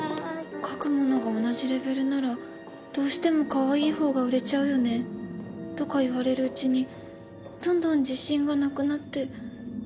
「書くものが同じレベルならどうしてもかわいいほうが売れちゃうよね」とか言われるうちにどんどん自信がなくなって。